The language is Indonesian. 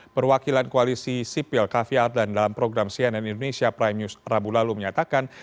perwakilan koalisi sipil kavi ardan dalam program cnn indonesia prime news rabu lalu menyatakan